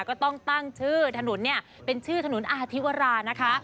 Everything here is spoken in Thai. ก็ต้องตั้งชื่อถนนเนี่ยเป็นชื่อถนนอาธิวรานะคะ